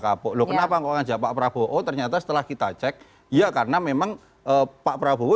kapok loh kenapa kok ngajak pak prabowo ternyata setelah kita cek ya karena memang pak prabowo